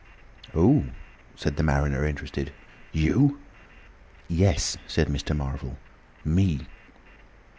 "Oh!" said the mariner, interested. "You?" "Yes," said Mr. Marvel. "Me."